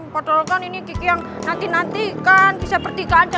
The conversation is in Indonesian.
padahal kan ini kiki yang nanti nanti kan bisa berdikah aja